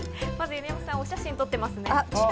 犬山さん、お写真撮っていますね。